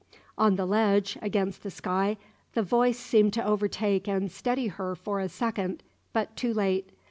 On the ledge, against the sky, the voice seemed to overtake and steady her for a second; but too late.